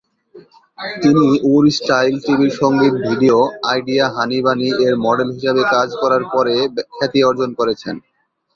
তিনি উর স্টাইল টিভির সঙ্গীত-ভিডিও "আইডিয়া হানি বানি"-এর মডেল হিসাবে কাজ করার পরে খ্যাতি অর্জন করেছেন।